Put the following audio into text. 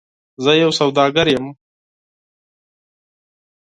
زه یو سوداګر یم .